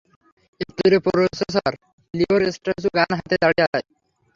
একটু দূরে প্রফেসর লিওর স্ট্যাচু গান হাতে দাঁড়িয়ে।